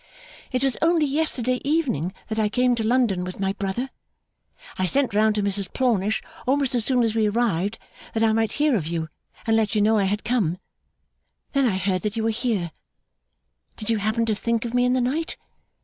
'It was only yesterday evening that I came to London with my brother. I sent round to Mrs Plornish almost as soon as we arrived, that I might hear of you and let you know I had come. Then I heard that you were here. Did you happen to think of me in the night?